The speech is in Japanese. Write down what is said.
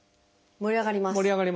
盛り上がりますね。